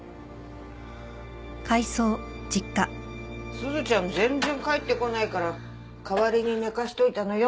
鈴ちゃん全然帰ってこないから代わりに寝かせておいたのよ。